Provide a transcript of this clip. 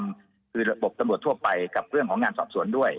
คือระบบตำรวจทั่วไปกับเรื่องของงานสอบสวนด้วย